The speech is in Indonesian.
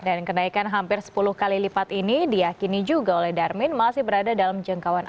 dan kenaikan hampir sepuluh kali lipat ini diakini juga oleh darmin masih berada dalam jangkauan